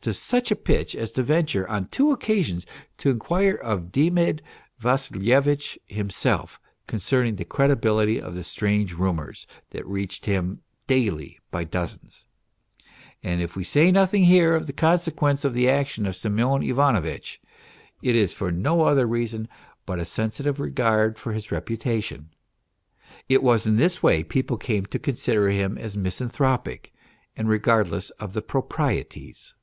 PROHARTCHIN 265 such a pitch as to venture, on two occasions, to inquire of Demid Vassilyevitch himself concerning the credibility of the strange rumours that reached him daily by dozens, and if we say nothing here of the consequence of the action of Semyon Ivanovitch, it is for no other reason but a sensitive regard for his reputation. It was in this way people came to consider him as misanthropic and regardless of the proprieties.